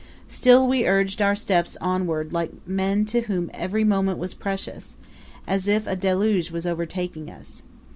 Still we urged our steps onward like men to whom every moment was precious as if a deluge was overtaking us.